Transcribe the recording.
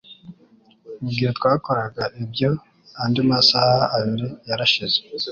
Mugihe twakoraga ibyo andi masaha abiri yarashize